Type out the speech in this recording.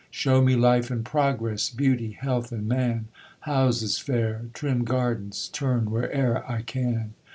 Show me life and progress, Beauty, health, and man; Houses fair, trim gardens, Turn where'er I can.